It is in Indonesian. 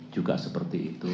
juga seperti itu